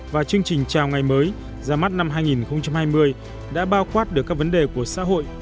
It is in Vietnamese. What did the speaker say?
và chương trình chào ngày mới ra mắt năm hai nghìn hai mươi đã bao quát được các vấn đề của xã hội